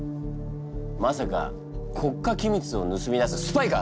まさか国家機密を盗み出すスパイか！？